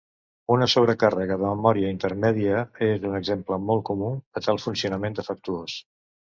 Una sobrecàrrega de memòria intermèdia és un exemple molt comú de tal funcionament defectuós.